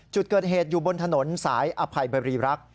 จุดเกิดเหตุอยู่บนถนนสายอภัยบรีรักษ์